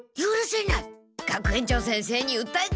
学園長先生にうったえてやる！